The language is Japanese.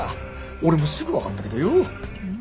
俺もすぐ分かったけどよ。